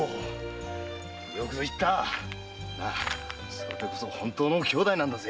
それでこそ本当の姉弟なんだぜ。